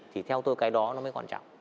thì theo tôi cái đó mới quan trọng